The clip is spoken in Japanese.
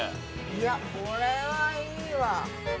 いやこれはいいわ。